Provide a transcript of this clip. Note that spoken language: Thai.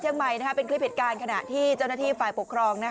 เชียงใหม่เป็นคฤตการณ์ขณะที่เจ้าหน้าที่ฝ่ายปกครอง